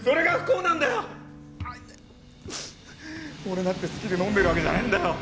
俺だって好きで飲んでるわけじゃねえんだよ。